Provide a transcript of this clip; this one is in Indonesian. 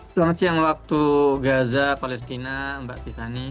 selamat siang waktu gaza palestina mbak tiffany